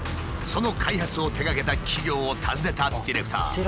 その開発を手がけた企業を訪ねたディレクター。